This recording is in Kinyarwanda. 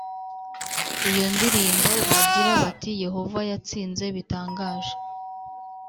iyo ndirimbo bagira bati Yehova yatsinze bitangaje